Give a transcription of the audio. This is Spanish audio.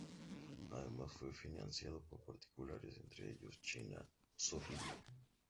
Además fue financiado por particulares, entre ellos China Zorrilla.